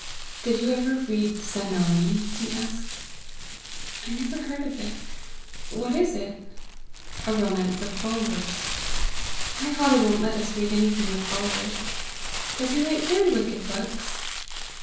"Did you ever read Zanoni?" he asked. "I never heard of it. What is it?" "A romance of Bulwer's." "My father won't let us read anything of Bulwer's. Does he write very wicked books?"